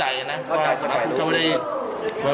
ให้มันเยอะชาวบ้านจำกับคนอยู่เรื่อย